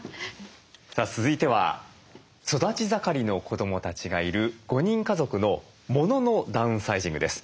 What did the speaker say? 続いては育ち盛りの子どもたちがいる５人家族のモノのダウンサイジングです。